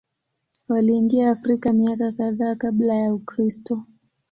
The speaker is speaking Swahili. Waliingia Afrika miaka kadhaa Kabla ya Kristo.